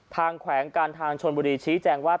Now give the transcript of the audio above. ทางขวางการทางชนบุรีที่แจลงว่า